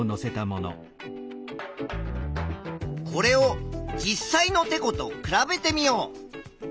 これを実際のてこと比べてみよう。